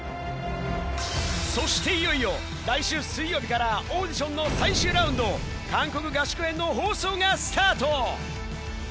そしていよいよ来週水曜日からオーディションの最終ラウンド、韓国合宿編の放送がスタート。